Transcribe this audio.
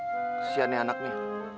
kesian nih anaknya